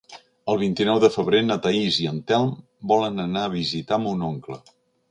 El vint-i-nou de febrer na Thaís i en Telm volen anar a visitar mon oncle.